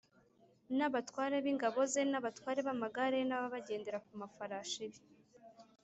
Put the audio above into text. n’abatware b’ingabo ze n’abatware b’amagare ye n’ab’abagendera ku mafarashi be